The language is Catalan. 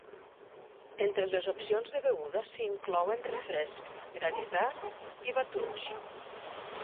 Entre les opcions de beguda s'hi inclouen refrescs, granissats i batuts.